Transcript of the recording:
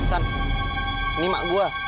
san ini mak gua